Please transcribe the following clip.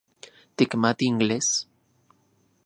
¿Tikmati inglés?